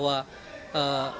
jadi semuanya ada